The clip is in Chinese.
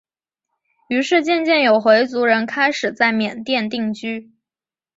于是渐渐有回族人开始在缅甸定居。